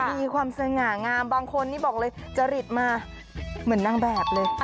มีความสง่างามบางคนนี่บอกเลยจริตมาเหมือนนางแบบเลย